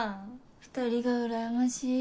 ２人がうらやましい。